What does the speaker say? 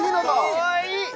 かわいい！